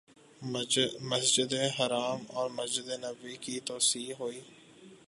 مسجد حرام اور مسجد نبوی کی توسیع ہوئی